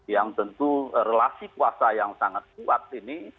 yang tentu relasi kuasa yang sangat kuat ini